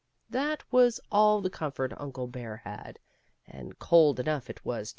That was all the comfort Uncle Bear had, and cold enough it was too.